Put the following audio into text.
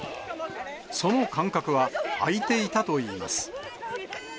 その間隔は空いていたといいます。